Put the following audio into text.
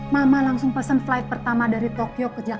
mama langsung pesen flight pertama dari tokyo ke jakarta